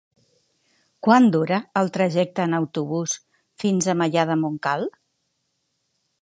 Quant dura el trajecte en autobús fins a Maià de Montcal?